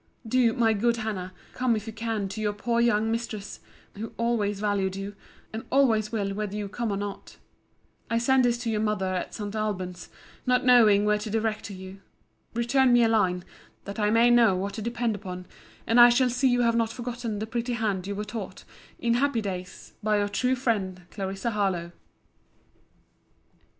Do, my good Hannah, come if you can to your poor young mistress, who always valued you, and always will whether you come or not. I send this to your mother at St. Alban's, not knowing where to direct to you. Return me a line, that I may know what to depend upon: and I shall see you have not forgotten the pretty hand you were taught, in happy days, by Your true friend, CLARISSA HARLOWE.